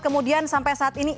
kemudian sampai saat ini